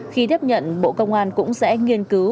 khi tiếp nhận bộ công an cũng sẽ nghiên cứu